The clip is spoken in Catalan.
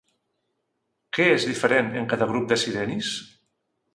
Què és diferent en cada grup de sirenis?